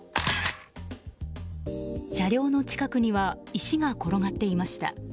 車両の近くには石が転がっていました。